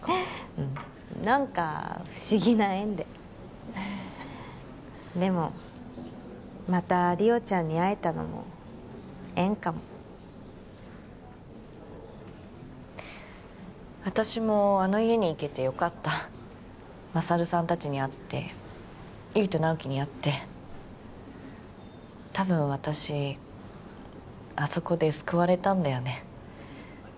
うん何か不思議な縁でへえでもまた莉桜ちゃんに会えたのも縁かも私もあの家に行けてよかった勝さんたちに会って悠依と直木に会ってたぶん私あそこで救われたんだよね